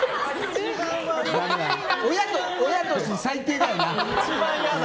親として最低だよな。